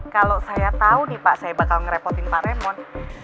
kalau saya tahu nih pak saya bakal ngerepotin pak remon